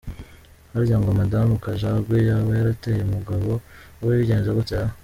Harya ngo Madame Kajangwe yaba yarataye umugabo we bigenze gute raa?